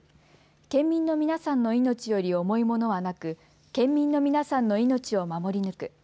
県民の皆さんの命より重いものはなく、県民の皆さんの命を守り抜く。